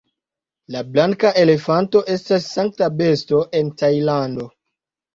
La blanka elefanto estas sankta besto en Tajlando.